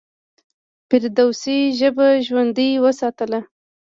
فردوسي ژبه ژوندۍ وساتله.